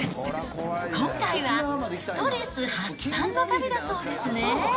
今回はストレス発散の旅だそうですね。